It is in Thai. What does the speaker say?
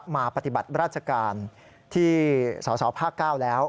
มาปฏิบัติราชการที่สสภาค๙แล้ว